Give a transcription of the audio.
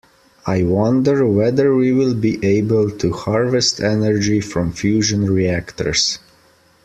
I wonder whether we will be able to harvest energy from fusion reactors.